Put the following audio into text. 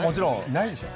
ないでしょう？